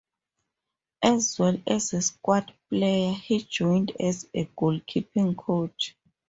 As well as a squad player, he joined as a goalkeeping coach.